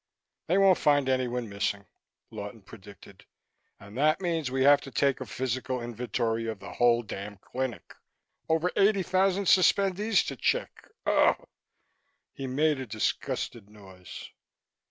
"They won't find anyone missing," Lawton predicted. "And that means we have to take a physical inventory of the whole damn clinic. Over eighty thousand suspendees to check." He made a disgusted noise.